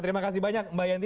terima kasih banyak mbak yanti